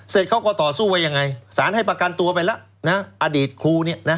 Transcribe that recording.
เขาก็ต่อสู้ว่ายังไงสารให้ประกันตัวไปแล้วนะอดีตครูเนี่ยนะ